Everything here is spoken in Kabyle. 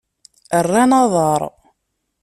Rran aḍar.